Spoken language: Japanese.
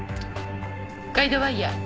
ガイドワイヤー。